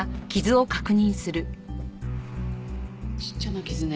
ちっちゃな傷ね。